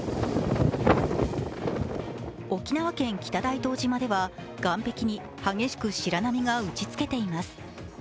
沖縄県北大東島では岸壁に激しく白波が打ちつけています。